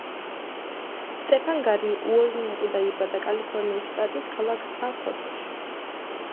სტეფან გარი უოზნიაკი დაიბადა კალიფორნიის შტატის ქალაქ სან-ხოსეში.